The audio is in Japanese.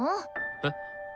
えっ？